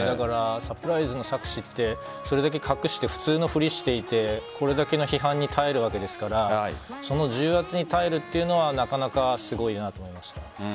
サプライズの策士ってそれだけ隠して普通のふりをしていてこれだけの批判に耐えるわけですからその重圧に耐えるというのはなかなかすごいなと思いました。